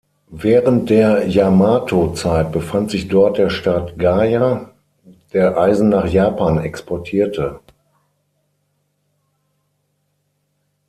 Während der Yamato-Zeit befand sich dort der Staat Gaya, der Eisen nach Japan exportierte.